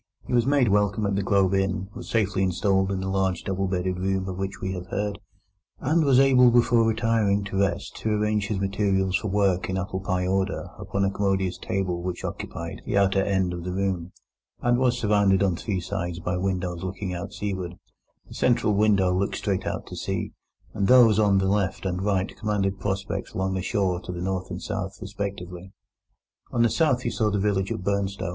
He was made welcome at the Globe Inn, was safely installed in the large double bedded room of which we have heard, and was able before retiring to rest to arrange his materials for work in apple pie order upon a commodious table which occupied the outer end of the room, and was surrounded on three sides by windows looking out seaward; that is to say, the central window looked straight out to sea, and those on the left and right commanded prospects along the shore to the north and south respectively. On the south you saw the village of Burnstow.